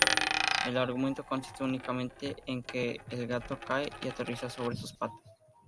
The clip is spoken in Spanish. El argumento consiste únicamente en que el gato cae y aterriza sobre sus patas.